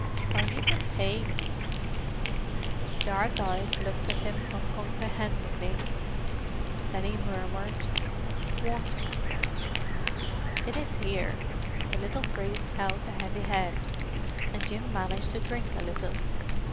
"Are you in pain?" The dark eyes looked at him uncomprehendingly. Then he murmured, "Water!" "It is here." The little priest held the heavy head, and Jim managed to drink a little.